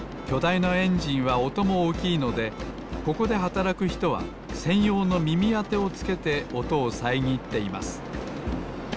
いなエンジンはおともおおきいのでここではたらくひとはせんようのみみあてをつけておとをさえぎっています。